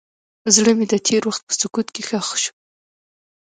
زړه مې د تېر وخت په سکوت کې ښخ شو.